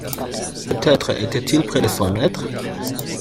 Peut-être était-il près de son maître?...